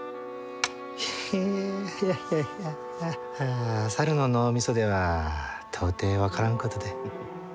ヘヘッいやいや猿の脳みそでは到底分からんことで。